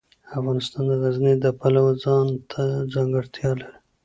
افغانستان د غزني د پلوه ځانته ځانګړتیا لري.